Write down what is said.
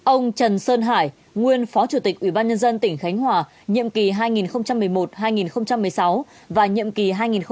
ông trần sơn hải nguyên phó chủ tịch ubnd tỉnh khánh hòa nhiệm kỳ hai nghìn một mươi một hai nghìn một mươi sáu và nhiệm kỳ hai nghìn một mươi sáu hai nghìn hai mươi